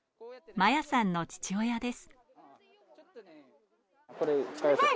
摩耶さんの父親です。